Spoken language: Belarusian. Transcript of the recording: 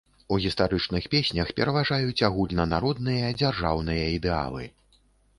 У гістарычных песнях пераважаюць агульнанародныя дзяржаўныя ідэалы.